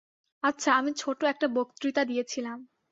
আচ্ছা, আমি ছোট একটা বক্তৃতা দিয়েছিলাম।